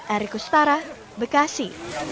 ari kustara bekasi